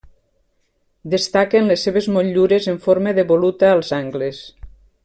Destaquen les seves motllures en forma de voluta als angles.